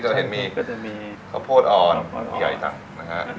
จะเห็นมีขอบโพดอ่อนใหญ่จัง